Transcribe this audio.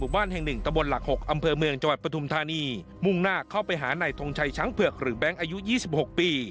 บ้านแห่งหนึ่งตะบนหลัก๖อำเภอเมืองจังหวัดปฐุมธานีมุ่งหน้าเข้าไปหานายทงชัยช้างเผือกหรือแบงค์อายุ๒๖ปี